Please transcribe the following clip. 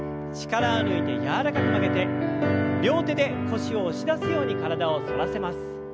力を抜いて柔らかく曲げて両手で腰を押し出すように体を反らせます。